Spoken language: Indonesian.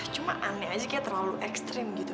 cuma aneh aja kayaknya terlalu ekstrim gitu